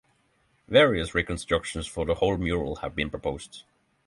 Various reconstructions for the whole mural have been proposed.